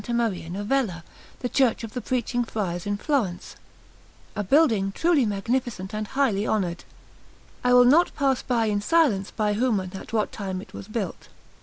Maria Novella, the Church of the Preaching Friars in Florence, a building truly magnificent and highly honoured, I will not pass by in silence by whom and at what time it was built.